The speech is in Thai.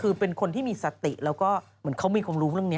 คือเป็นคนที่มีสติแล้วก็เหมือนเขามีความรู้เรื่องนี้